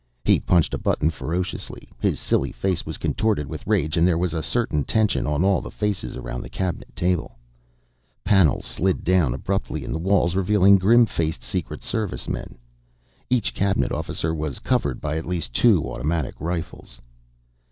He punched a button ferociously; his silly face was contorted with rage and there was a certain tension on all the faces around the Cabinet table. Panels slid down abruptly in the walls, revealing grim faced Secret Servicemen. Each Cabinet officer was covered by at least two automatic rifles.